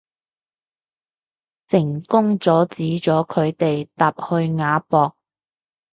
成功阻止咗佢哋搭去亞博